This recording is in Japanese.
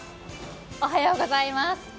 おはようございます。